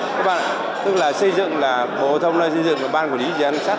các bạn ạ tức là xây dựng là bộ thông là xây dựng của ban quản lý dự án sát